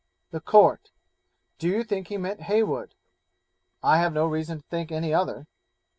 The Court 'Do you think he meant Heywood?' 'I have no reason to think any other.'